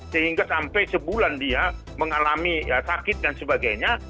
sehingga sampai sebulan dia mengalami sakit dan sebagainya